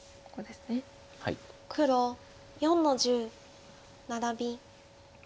黒４の十ナラビ。